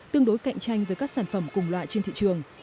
tương đối cạnh tranh với các sản phẩm cùng loại trên thị trường